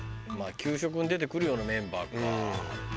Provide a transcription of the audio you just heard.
まあ給食に出てくるようなメンバーか。